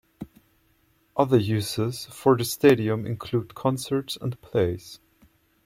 Other uses for the stadium include concerts and plays.